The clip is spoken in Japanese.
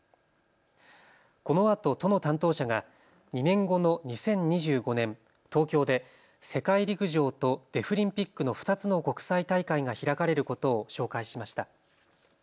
このあと都の担当者が２年後の２０２５年、東京で世界陸上とデフリンピックの２つの国際大会が開かれることを紹介しました。